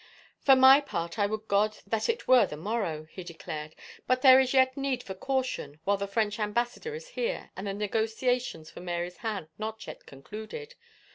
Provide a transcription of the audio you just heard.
" For my part, I would God that it were the morrow," he declared, " but there is yet need for caution while the French Ambassador is here and the negotiations for Mary's hand not yet concluded.